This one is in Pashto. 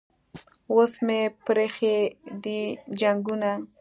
اوس مې پریښي دي جنګونه